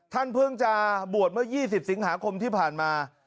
ท่านเพิ่งจะบวชเมื่อ๒๐สิงหาคมที่ผ่านมา